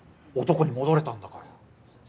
男に戻れたんだから。